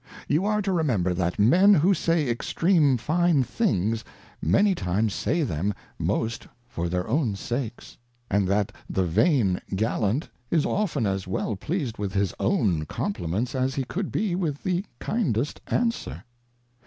You are to remember, that Men who say extreme fine things, many times say them most for their own sakes ; and that the vain Gallant is often as well pleased with his own Compliments, as he could be with the kindest answer.